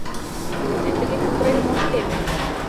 Кузе тыге кутырен моштет?